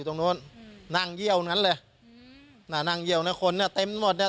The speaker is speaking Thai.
ตรงนู้นนั่งเยี่ยวนั้นเลยน่ะนั่งเยี่ยวนะคนเนี้ยเต็มหมดเนี้ย